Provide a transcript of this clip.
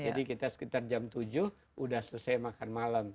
jadi kita sekitar jam tujuh sudah selesai makan malam